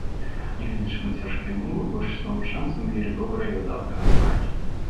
Нягледзячы на цяжкія ўмовы, большасць навучэнцаў мелі добрыя і выдатныя адзнакі.